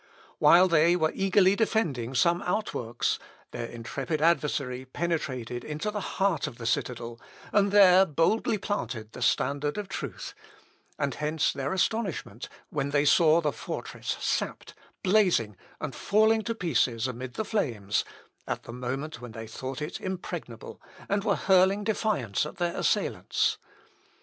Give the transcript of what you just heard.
While they were eagerly defending some outworks, their intrepid adversary penetrated into the heart of the citadel, and there boldly planted the standard of truth; and hence their astonishment, when they saw the fortress sapped, blazing, and falling to pieces amid the flames, at the moment when they thought it impregnable, and were hurling defiance at their assailants.